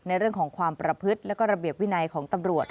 ในเรื่องของความประพฤติแล้วก็ระเบียบวินัยของตำรวจ